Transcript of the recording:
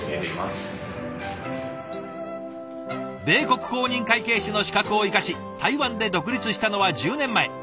米国公認会計士の資格を生かし台湾で独立したのは１０年前。